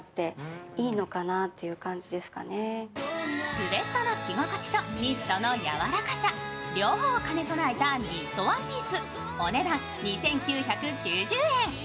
スエットの着心地とニットのやわらかさ、両方を兼ね備えたニットワンピース。